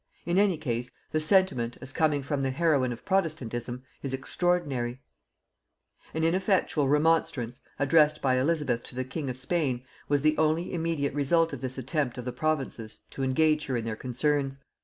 In any case, the sentiment, as coming from the heroine of protestantism, is extraordinary. [Note 77: Reidani "Annal." Vide Bayle's "Dictionary," art. Elizabeth.] An ineffectual remonstrance, addressed by Elizabeth to the king of Spain, was the only immediate result of this attempt of the Provinces to engage her in their concerns.